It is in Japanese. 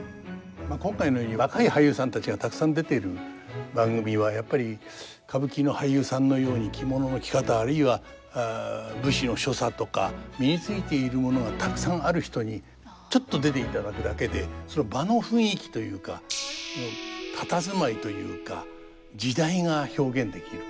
今回のように若い俳優さんたちがたくさん出ている番組はやっぱり歌舞伎の俳優さんのように着物の着方あるいは武士の所作とか身についているものがたくさんある人にちょっと出ていただくだけでその場の雰囲気というか佇まいというか時代が表現できる。